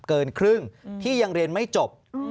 เกินครึ่งที่ยังเรียนไม่จบ